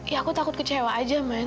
ya aku takut kecewa aja man